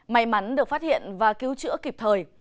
may mắn được phát hiện và cứu chữa kịp thời